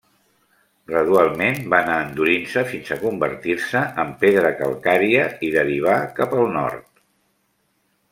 Gradualment va anar endurint-se fins a convertir-se en pedra calcària i derivà cap al nord.